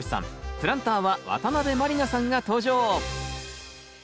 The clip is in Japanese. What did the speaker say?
プランターは渡辺満里奈さんが登場！